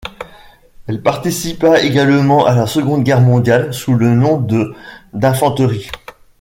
Elle participa également à la Seconde Guerre mondiale sous le nom de d'infanterie.